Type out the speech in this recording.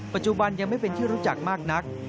ปัจจุบันยังไม่เป็นที่รู้จักมากนัก